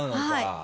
はい。